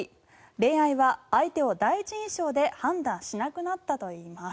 恋愛は、相手を第一印象で判断しなくなったといいます。